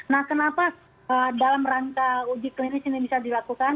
nah kenapa dalam rangka uji klinis ini bisa dilakukan